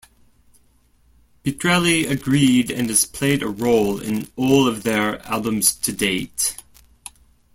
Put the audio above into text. Pitrelli agreed and has played a role in all of their albums to date.